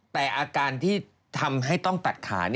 แต่อาการที่ทำให้ต้องตัดขา